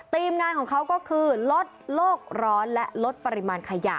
ทีมงานของเขาก็คือลดโลกร้อนและลดปริมาณขยะ